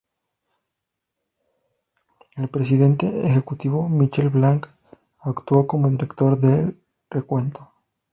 El presidente ejecutivo Michael Blanch actuó como Director del Recuento.